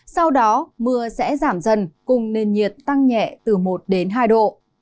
sau đó mưa sẽ giảm dần cùng nền nhiệt tăng nhẹ từ một đến hai độ